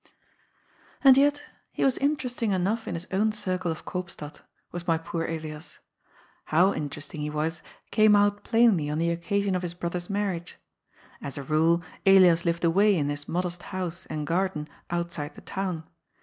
And yet he was interesting enough in his own circle of Koopstad, was my poor Elias. How interesting he was came out plainly on the occasion of his brother's mar riage. As a rule, Elias lived away in his modest house and garden outside the town.